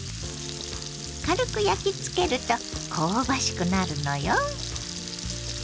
軽く焼き付けると香ばしくなるのよ。